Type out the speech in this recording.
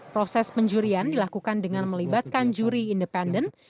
proses penjurian dilakukan dengan melibatkan juri independen